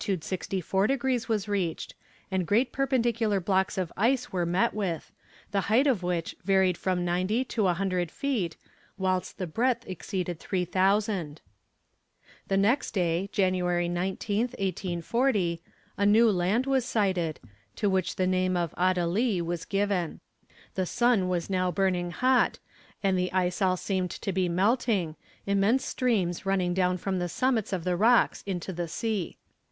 64 degrees was reached, and great perpendicular blocks of ice were met with, the height of which varied from ninety to 100 feet, whilst the breadth exceeded 3000. The next day, January 19th, 1840, a new land was sighted, to which the name of Adélie was given. The sun was now burning hot, and the ice all seemed to be melting, immense streams running down from the summits of the rocks into the sea.